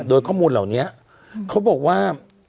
โดยข้อมูลเหล่านี้เขาบอกว่า